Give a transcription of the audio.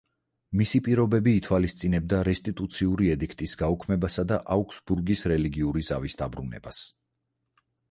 მისი პირობები ითვალისწინებდა რესტიტუციური ედიქტის გაუქმებასა და აუგსბურგის რელიგიური ზავის დაბრუნებას.